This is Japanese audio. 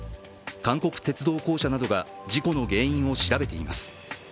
韓国鉄道公社などが事故の原因を調べています。